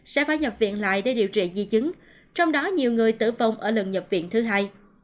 sẽ phải nhập viện lại để điều trị di chứng trong đó nhiều người tử vong ở lần nhập viện thứ hai